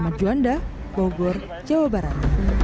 ahmad juanda bogor jawa barat